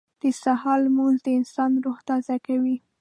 • د سهار لمونځ د انسان روح تازه کوي.